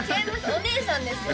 お姉さんですよ